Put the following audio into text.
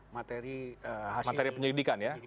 materi hasil penyelidikan ya